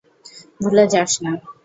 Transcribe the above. ভুলে যাস না।